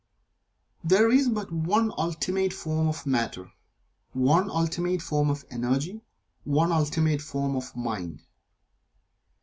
There is but one ultimate form of Matter; one ultimate form of Energy; one ultimate form of Mind.